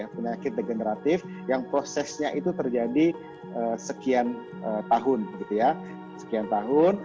penyakit degeneratif yang prosesnya itu terjadi sekian tahun